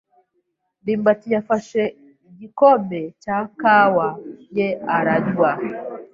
ndimbati yafashe igikombe cya kawa ye aranywa.